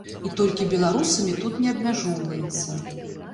І толькі беларусамі тут не абмяжоўваецца.